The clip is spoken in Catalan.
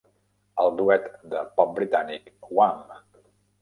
El duet de pop britànic Wham!